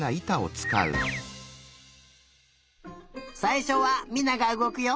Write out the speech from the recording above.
さいしょは美菜がうごくよ。